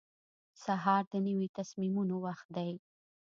سهار د نوي تصمیمونو وخت دی.